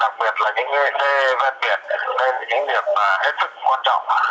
đặc biệt là những nghệ cây ven biển nên là những điểm hết sức quan trọng